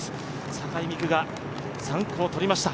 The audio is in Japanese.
酒井美玖が３区を取りました。